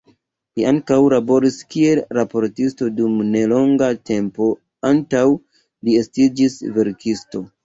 Li ankaŭ laboris kiel raportisto dum nelonga tempo antaŭ li estiĝis verkisto.